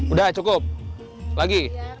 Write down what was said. udah cukup lagi